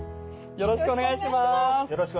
よろしくお願いします。